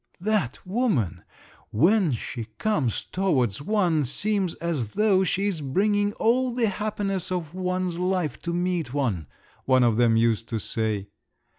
"That woman, when she comes towards one, seems as though she is bringing all the happiness of one's life to meet one," one of them used to say.